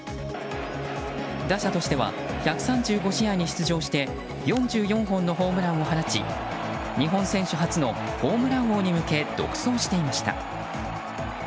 打者としては１３５試合に出場して４４本のホームランを放ち日本選手初のホームラン王に向け独走していました。